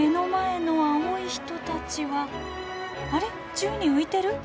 宙に浮いてる？